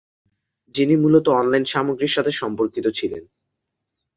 যিনি মূলত অনলাইন সামগ্রীর সাথে সম্পর্কিত ছিলেন।